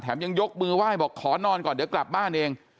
ยังยกมือไหว้บอกขอนอนก่อนเดี๋ยวกลับบ้านเอง